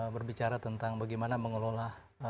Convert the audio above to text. berbicara tentang bagaimana mengelola